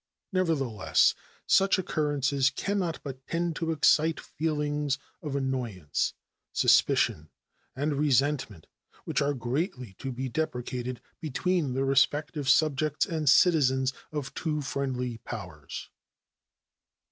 Nevertheless, such occurrences can not but tend to excite feelings of annoyance, suspicion, and resentment, which are greatly to be deprecated, between the respective subjects and citizens of two friendly powers.